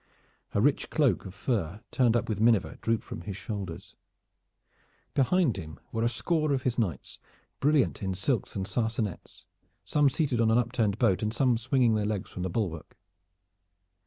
A rich cloak of fur turned up with miniver drooped from his shoulders. Behind him were a score of his knights, brilliant in silks and sarcenets, some seated on an upturned boat and some swinging their legs from the bulwark.